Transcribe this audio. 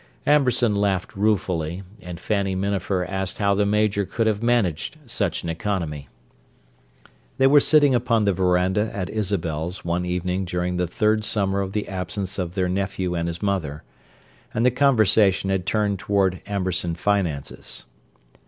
Amberson laughed ruefully, and Fanny Minafer asked how the Major could have managed such an economy. They were sitting upon the veranda at Isabel's one evening during the third summer of the absence of their nephew and his mother; and the conversation had turned toward Amberson finances.